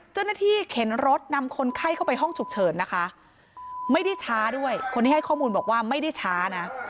เข็นรถนำคนไข้เข้าไปห้องฉุกเฉินนะคะไม่ได้ช้าด้วยคนที่ให้ข้อมูลบอกว่าไม่ได้ช้านะ